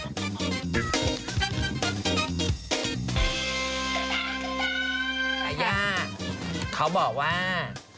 ยาย่าเขาบอกว่า